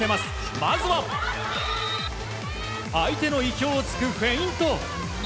まずは相手の意表を突くフェイント。